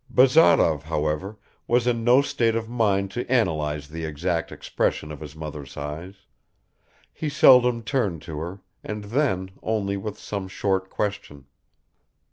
Bazarov, however, was in no state of mind to analyze the exact expression of his mother's eyes; he seldom turned to her and then only with some short question.